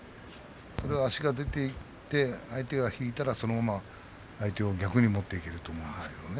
足が出ていて相手が引いたらそのまま相手を逆に持っていけると思うんですけどね。